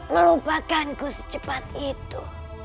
melupakanku secepat itu